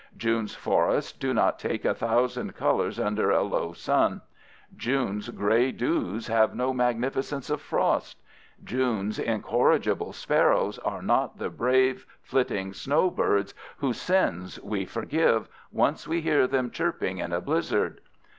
June's forests do not take a thousand colors under a low sun. June's gray dews have no magnificence of frost. June's incorrigible sparrows are not the brave, flitting "snowbirds" whose sins we forgive, once we hear them chirping in a blizzard.